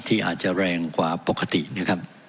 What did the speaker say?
ที่อาจจะแรงกว่าปกตินะครับ